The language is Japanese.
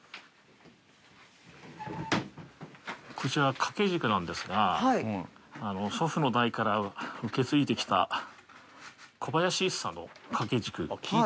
こちら、掛け軸なんですが、祖父の代から受け継いできた、小林一茶の掛け軸。